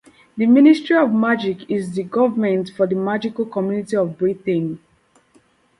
The Ministry of Magic is the government for the magical community of Britain.